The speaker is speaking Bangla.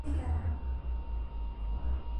আপনি এখানে কেন?